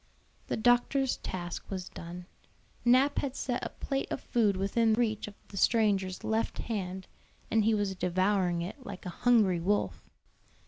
The doctor's task was done. Nap had set a plate of food within reach of the stranger's left hand, and he was devouring it like a hungry wolf.